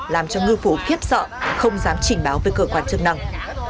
làm cho ngư phủ khiếp sợ không dám trình báo với cơ quan chức năng